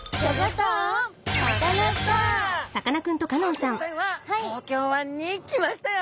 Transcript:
さあ今回は東京湾に来ましたよ！